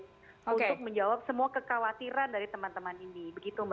untuk menjawab semua kekhawatiran dari teman teman ini